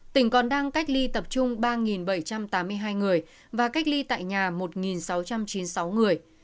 tỉnh còn đang cách ly tập trung ba bảy trăm tám mươi hai người và cách ly tại nhà một sáu trăm chín mươi sáu người